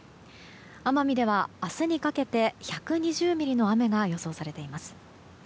奄美では明日にかけて１２０ミリの雨が予想されています。